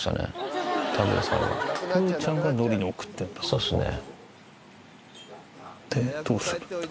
そうですね。